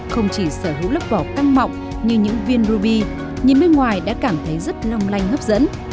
không chỉ sở hữu lớp vỏ căng mọng như những viên ruby nhìn bên ngoài đã cảm thấy rất long lanh hấp dẫn